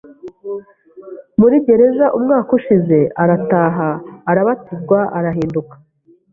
muri gereza umwaka ushize arataha arabatizwa arahinduka